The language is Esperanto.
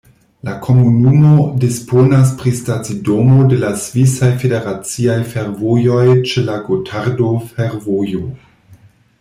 La komunumo disponas pri stacidomo de la Svisaj Federaciaj Fervojoj ĉe la Gotardo-Fervojo.